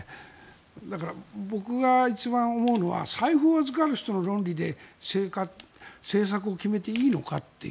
だから、僕が一番思うのは財布の預かる人の論理で政策を決めていいのかっていう。